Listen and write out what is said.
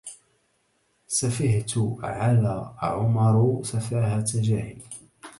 سفهت على عمرو سفاهة جاهل